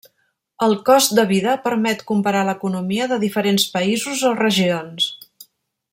El cost de vida permet comparar l'economia de diferents països o regions.